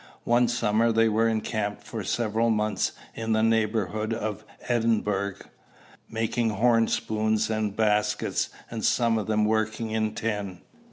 One summer they were encamped for several months in the neighborhood of Edinburgh, making horn spoons and baskets, and some of them working in tin.